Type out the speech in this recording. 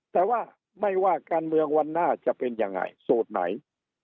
แต่ว่าไม่ว่าการเมืองวันหน้าจะเป็นยังไงสูตรไหน